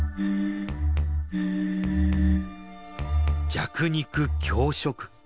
弱肉強食。